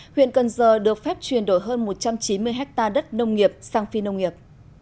huyện cần giờ được phép chuyển đổi hơn một trăm chín mươi hectare đất nông nghiệp sang phi nông nghiệp